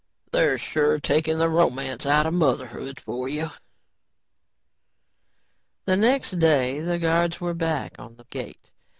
"They're sure takin' the romance outta motherhood for you." The next day the guards were back on the gate.